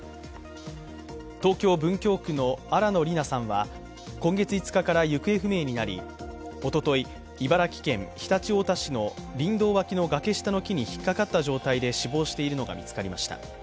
東京・文京区の新野りなさんは今月５日から行方不明になりおととい、茨城県常陸太田市の林道脇の崖下の木にひっかかった状態で死亡しているのが見つかりました。